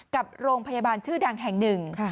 กับโรงพยาบาลชื่อดังแห่งหนึ่ง